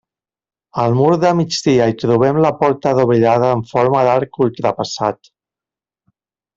Al mur de migdia hi trobem la porta adovellada en forma d'arc ultrapassat.